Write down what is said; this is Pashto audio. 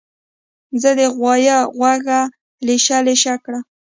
زمر د غوایه غوږه لېشه لېشه کړه.